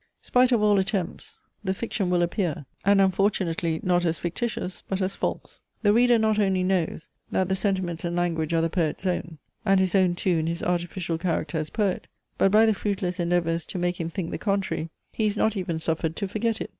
Spite of all attempts, the fiction will appear, and unfortunately not as fictitious but as false. The reader not only knows, that the sentiments and language are the poet's own, and his own too in his artificial character, as poet; but by the fruitless endeavours to make him think the contrary, he is not even suffered to forget it.